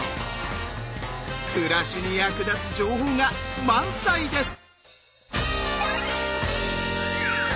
暮らしに役立つ情報が満載です！